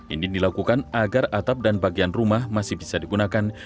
ini dilakukan agar atap dan bagian rumah masih bisa digunakan